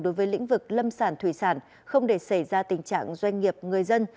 đối với lĩnh vực lâm sản thủy sản không để xảy ra tình trạng doanh nghiệp người dân